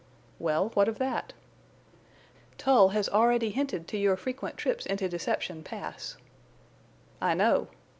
"Well, what of that?" "Tull has already hinted to your frequent trips into Deception Pass." "I know."